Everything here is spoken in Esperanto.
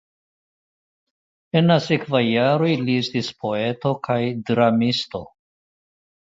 En la sekvaj jaroj li estis poeto kaj dramisto.